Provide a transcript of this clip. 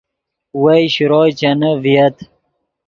وئے شروئے چینے ڤییت